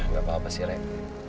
nggak apa apa sih rek